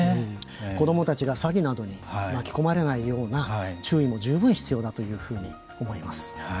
子どもたちが詐欺などに巻き込まれないような注意も十分必要だというふうに思います。